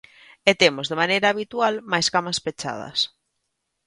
E temos, de maneira habitual, máis camas pechadas.